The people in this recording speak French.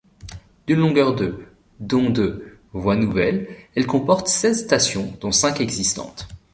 D'une longueur de dont de voies nouvelles, elle comporte seize stations dont cinq existantes.